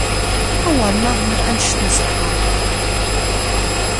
Awer naḍen, annect nṣeḥḥa!